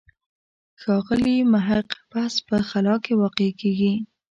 ښاغلي محق بحث په خلا کې واقع کېږي.